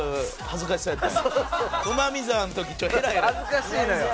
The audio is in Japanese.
恥ずかしいのよ。